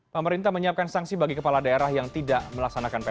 selamat malam pak melki